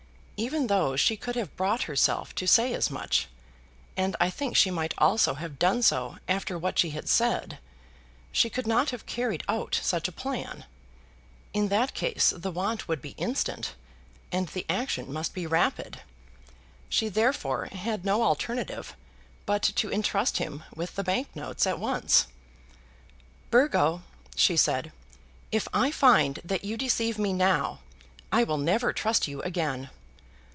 Even though she could have brought herself to say as much, and I think she might also have done so after what she had said, she could not have carried out such a plan. In that case the want would be instant, and the action must be rapid. She therefore had no alternative but to entrust him with the bank notes at once. "Burgo," she said, "if I find that you deceive me now, I will never trust you again."